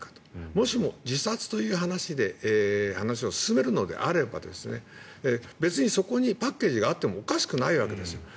もしも自殺という話で話を進めるのであれば別にそこにパッケージがあってもおかしくないわけです。